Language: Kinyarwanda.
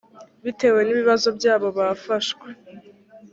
bitewe n ibibazo byabo bafashwe